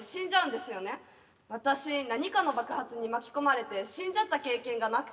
私何かの爆発に巻き込まれて死んじゃった経験がなくて。